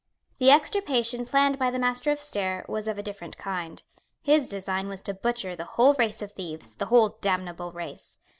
The extirpation planned by the Master of Stair was of a different kind. His design was to butcher the whole race of thieves, the whole damnable race.